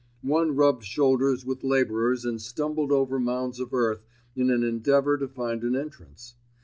One rubbed shoulders with labourers and stumbled over mounds of earth in an endeavour to find an entrance.